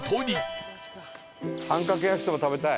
あんかけ焼きそば食べたい。